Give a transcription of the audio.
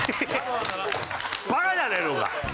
バカじゃねえのか！